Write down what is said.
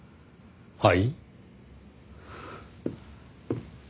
はい？